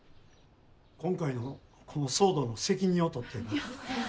今回のこの騒動の責任を取ってやな。